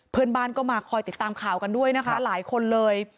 เพื่อนบ้านก็มาคอยติดตามข่าวกันด้วยนะคะหลายคนเลย